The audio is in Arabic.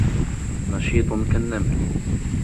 نشيط كالنمل.